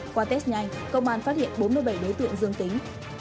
qua test nhanh công an phát hiện bốn mươi bảy đối tượng dương tính